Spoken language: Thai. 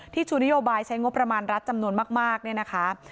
ชูนโยบายใช้งบประมาณรัฐจำนวนมากเนี่ยนะคะ